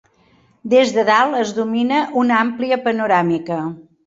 Des de dalt es domina una àmplia panoràmica.